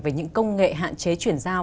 về những công nghệ hạn chế chuyển giao